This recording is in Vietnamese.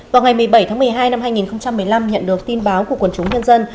vào ngày một mươi bảy tháng một mươi hai năm hai nghìn một mươi năm nhận được tin báo của quần chúng nhân dân